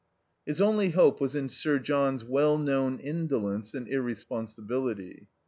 His only hope was in Sir John's well known indolence and irresponsibility.